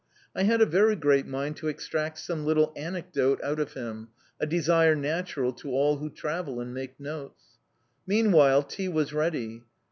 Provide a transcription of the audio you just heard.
I had a very great mind to extract some little anecdote out of him a desire natural to all who travel and make notes. Meanwhile, tea was ready.